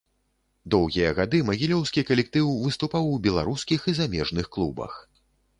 Доўгія гады магілёўскі калектыў выступаў у беларускіх і замежных клубах.